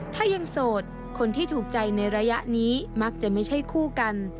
ถ้ายังโสดคนที่ถูกใจในระยะนี้มักจะไม่ใช่คู่กัน